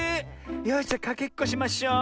よしじゃかけっこしましょう。